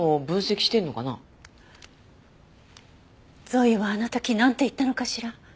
ゾイはあの時なんて言ったのかしら？